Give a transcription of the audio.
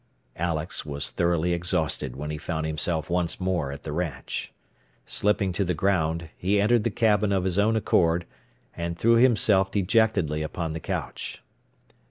Alex was thoroughly exhausted when he found himself once more at the ranch. Slipping to the ground, he entered the cabin of his own accord, and threw himself dejectedly upon the couch.